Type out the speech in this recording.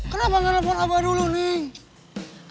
kenapa gak ngelepon abah dulu neng